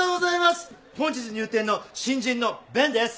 本日入店の新人の勉です。